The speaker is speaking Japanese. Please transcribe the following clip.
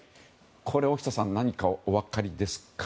これ、大下さん何かお分かりですか？